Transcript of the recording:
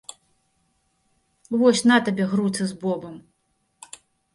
Вось, на табе груцы з бобам!